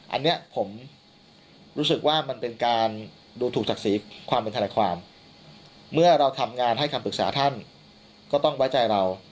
อันนี้ผมรู้สึกว่ามันเป็นการดูถูกศักดิ์ศรีความเป็นทนายความเมื่อเราทำงานให้คำปรึกษาท่านก็ต้องไว้ใจเรา